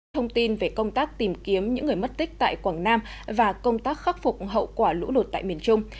thông tin về công tác tìm kiếm những người mất tích tại quảng nam và công tác khắc phục hậu quả lũ lụt tại miền trung